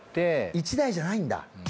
１台じゃないんだ！